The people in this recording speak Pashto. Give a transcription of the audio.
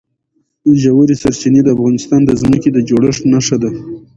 ژورې سرچینې د افغانستان د ځمکې د جوړښت نښه ده.